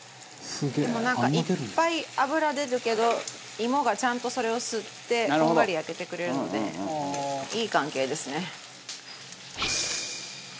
でもなんかいっぱい脂出るけど芋がちゃんとそれを吸ってこんがり焼けてくれるのでいい関係ですね。